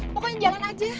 pokoknya jangan aja